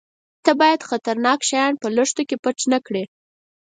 _ته بايد خطرناکه شيان په لښتو کې پټ نه کړې.